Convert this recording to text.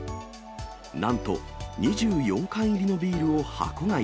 なんと２４缶入りのビールを箱買い。